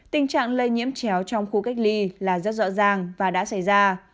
tình trạng lây nhiễm chéo trong khu cách ly là rất rõ ràng và đã xảy ra